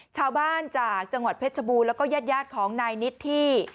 ชาวบ้านจากจังหวัดเพชรบูรณ์แล้วก็ญาติของนายนิดที่